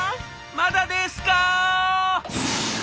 まだですか？」。